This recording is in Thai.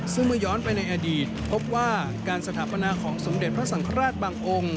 ซึ่งเมื่อย้อนไปในอดีตพบว่าการสถาปนาของสมเด็จพระสังฆราชบางองค์